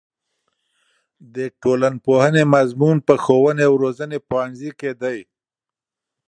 د ټولنپوهنې مضمون په ښوونې او روزنې پوهنځي کې دی.